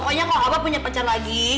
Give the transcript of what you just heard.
pokoknya kalo abah punya pacar lagi